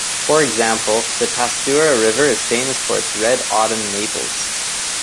For example, the Tatsuta River is famous for its red autumn maples.